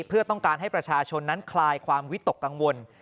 เพื่อต้องการให้ประชาชนนั้นคลายความวิตกกังวล